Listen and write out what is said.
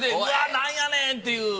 なんやねんっていう。